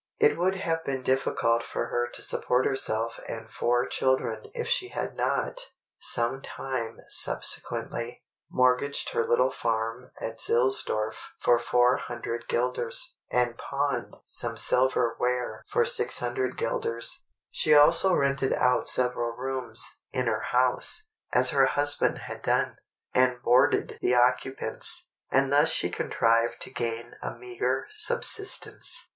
It would have been difficult for her to support herself and four children if she had not, some time subsequently, mortgaged her little farm at Zillsdorff for 400 guilders, and pawned some silver ware for 600 guilders. She also rented out several rooms in her house, as her husband had done, and boarded the occupants, and thus she contrived to gain a meagre subsistence.